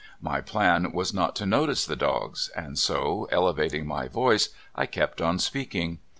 My plan was not to notice the dogs, and so, elevating my voice, I kept on speaking.